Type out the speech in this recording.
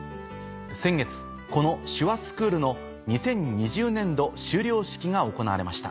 先月この手話スクールの２０２０年度修了式が行われました。